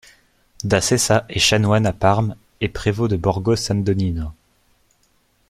Da Sessa est chanoine à Parme et prévôt de Borgo San Donnino.